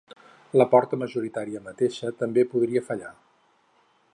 La porta majoritària mateixa també podria fallar.